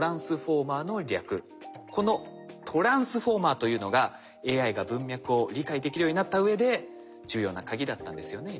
このＴｒａｎｓｆｏｒｍｅｒというのがＡＩが文脈を理解できるようになった上で重要なカギだったんですよね井上さん。